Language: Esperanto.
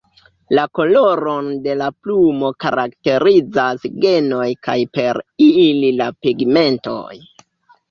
La koloron de la plumo karakterizas genoj kaj per ili la pigmentoj.